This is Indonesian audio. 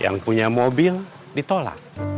yang punya mobil ditolak